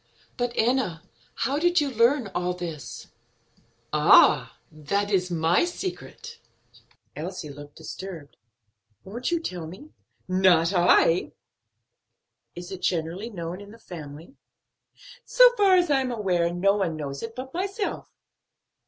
But, Enna, how did you learn all this?" "Ah, that is my secret." Elsie looked disturbed. "Won't you tell me?" "Not I." "Is it generally known in the family?" "So far as I am aware, no one knows it but myself."